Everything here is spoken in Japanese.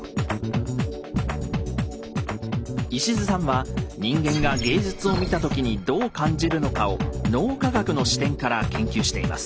石津さんは人間が芸術を見た時にどう感じるのかを脳科学の視点から研究しています。